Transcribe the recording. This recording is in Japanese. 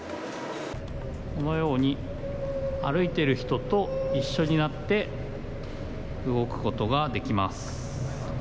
このように、歩いている人と一緒になって動くことができます。